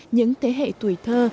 những thế hệ tuổi thơ